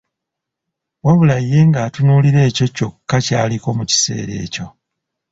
Wabula ye nga atunuulira ekyo kyokka ky'aliko mu kiseera ekyo.